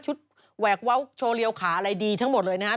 ชุดแววกวอล์กโชว์เลี่ยวขาอะไรดีทั้งหมดเลยนะฮะ